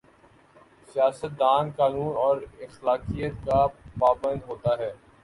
سیاست دان قانون اور اخلاقیات کا پابند ہو تا ہے۔